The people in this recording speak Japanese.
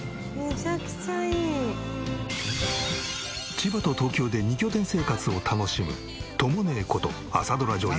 千葉と東京で２拠点生活を楽しむとも姉こと朝ドラ女優